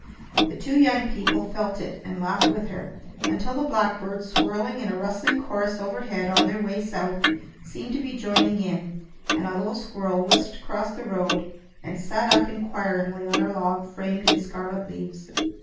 The two young people felt it, and laughed with her, until the blackbirds, swirling in a rustling chorus overhead on their way south, seemed to be joining in, and a little squirrel whisked across the road and sat up inquiringly on a log framed in scarlet leaves.